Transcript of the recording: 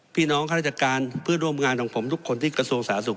ข้าราชการเพื่อนร่วมงานของผมทุกคนที่กระทรวงสาธารสุข